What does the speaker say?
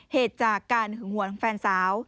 เหตุจากการหงวงแฟนสาว